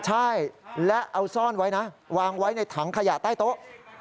ใช่และเอาซ่อนไว้นะวางไว้ในถังขยะใต้โต๊ะ